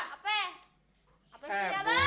apa sih ya bang